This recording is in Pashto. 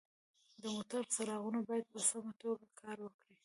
د موټر څراغونه باید په سمه توګه کار وکړي.